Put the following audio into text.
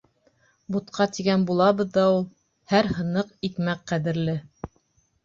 Бутҡа тигән булабыҙ ҙа ул, һәр һыныҡ икмәк ҡәҙерле.